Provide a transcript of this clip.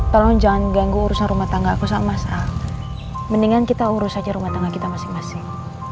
tolong jangan ganggu urusan rumah tangga aku sama mendingan kita urus aja rumah tangga kita masing masing